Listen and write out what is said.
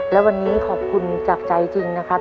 และวันนี้ขอบคุณจากใจจริงนะครับ